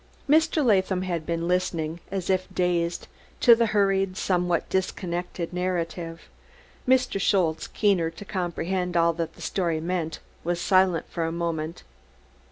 Mr. Latham had been listening, as if dazed, to the hurried, somewhat disconnected, narrative; Mr. Schultze, keener to comprehend all that the story meant, was silent for a moment.